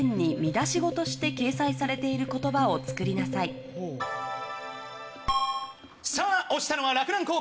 ピンポン押したのは洛南高校！